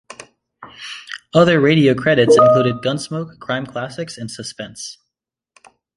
Other radio credits included "Gunsmoke", "Crime Classics", and "Suspense".